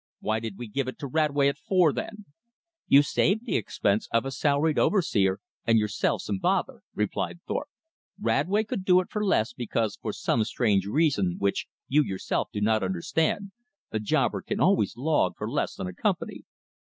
"Why did we give it to Radway at four, then?" "You saved the expense of a salaried overseer, and yourselves some bother," replied Thorpe. "Radway could do it for less, because, for some strange reason which you yourself do not understand, a jobber can always log for less than a company."